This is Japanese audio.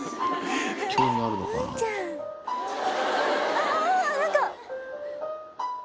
あぁ何か！